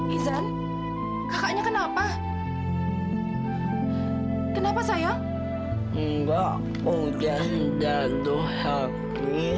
izan kakaknya kenapa kenapa sayang enggak ujian jatuh sakit